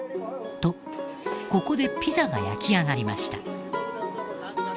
とここでピザが焼き上がりました。